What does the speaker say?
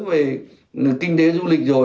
về kinh tế du lịch